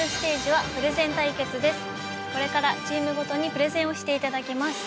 これからチームごとにプレゼンをして頂きます。